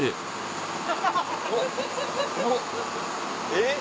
えっ？